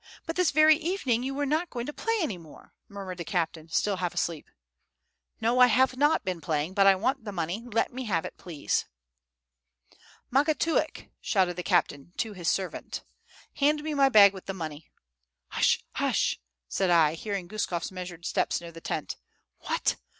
But this very evening, you were not going to play any more," murmured the captain, still half asleep. "No, I have not been playing; but I want the money; let me have it, please." "Makatiuk!" shouted the captain to his servant, [Footnote: Denshchik.] "hand me my bag with the money." "Hush, hush!" said I, hearing Guskof's measured steps near the tent. "What?